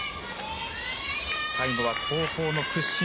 最後は後方の屈身